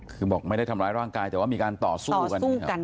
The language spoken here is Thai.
คือบอกไม่ได้ทำร้ายร่างกายแต่ว่ามีการต่อสู้กัน